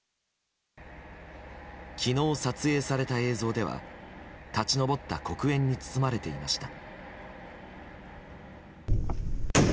昨日撮影された映像では立ち上った黒煙に包まれていました。